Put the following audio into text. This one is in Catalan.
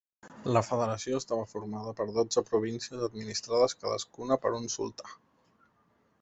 La federació estava formada per dotze províncies administrades cadascuna per un sultà.